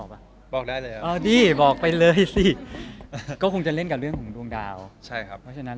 ผมว่าครั้งนี้มันคงเล่นกับเรื่องของดวงดาวหรืออะไรเงี้ย